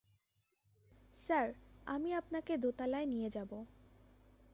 Sir, আমি আপনাকে দোতলায় নিয়ে যাব।